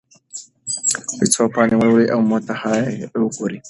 څو پاڼې ولولئ او محتوا یې وګورئ.